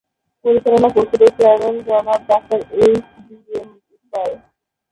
পরিচালনা পর্ষদের চেয়ারম্যান জনাব doctor H B M Iqbal.